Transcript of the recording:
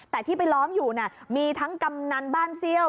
แต่ที่ไปล้อมอยู่มีทั้งกำนันบ้านเซี่ยว